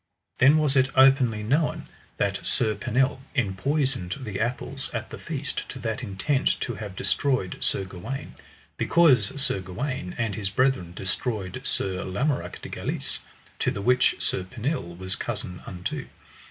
Then was it openly known that Sir Pinel enpoisoned the apples at the feast to that intent to have destroyed Sir Gawaine, because Sir Gawaine and his brethren destroyed Sir Lamorak de Galis, to the which Sir Pinel was cousin unto.